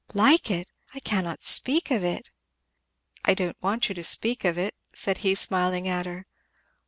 "Like it! I cannot speak of it!" "I don't want you to speak of it," said he smiling at her.